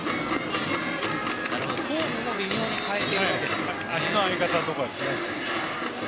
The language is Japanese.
フォームを微妙に変えているんですね。